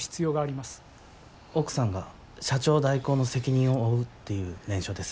奥さんが社長代行の責任を負うっていう念書です。